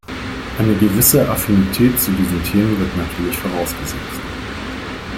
Eine gewisse Affinität zu diesen Themen wird natürlich vorausgesetzt.